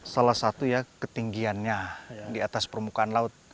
salah satu ya ketinggiannya di atas permukaan laut